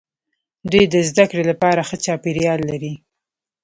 دوی د زده کړې لپاره ښه چاپیریال لري.